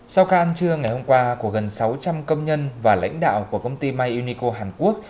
sau các ăn trưa ngày hôm qua của gần sáu trăm linh công nhân và lãnh đạo của công ty myunico hàn quốc